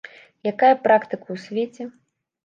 Якая практыка ў свеце?